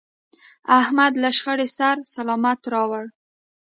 احمد له شخړې سر سلامت راوړ.